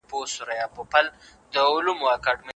ژباړه بايد روانه او کره وي.